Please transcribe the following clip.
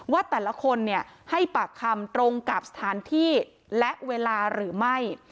ว่าแต่ละคนให้ปากคำตรงกับสถานที่และเวลาหรือไม่